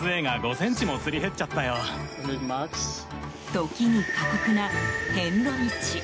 時に過酷な、遍路道。